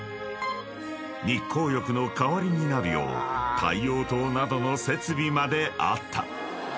［日光浴の代わりになるよう太陽灯などの設備まであった］